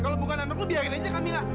kalau bukan anak lo biarin aja kamila